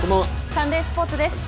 サンデースポーツです。